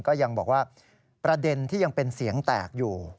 ก็ยังบอกว่าประเด็นที่ยังเป็นเสียงแตกอยู่